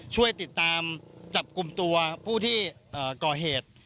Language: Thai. ช่วยติดตามจับกลุ่มตัวผู้ที่ก่อเหตุ